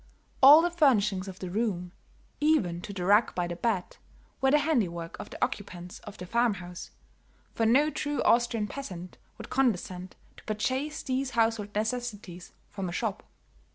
All the furnishings of the room, even to the rug by the bed, were the handiwork of the occupants of the farm house, for no true Austrian peasant would condescend to purchase these household necessities from a shop.